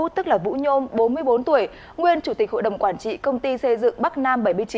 tức là vũ nhôm bốn mươi bốn tuổi nguyên chủ tịch hội đồng quản trị công ty xây dựng bắc nam bảy mươi chín